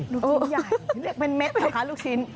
ลูกชิ้นใหญ่เรียกเป็นเม็ดเหรอคะลูกชิ้น